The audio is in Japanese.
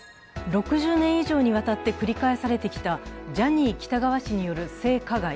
６０年以上にわたって繰り返されてきたジャニー喜多川氏による性加害。